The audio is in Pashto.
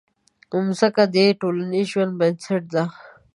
مځکه د ټولنیز ژوند بنسټ ده.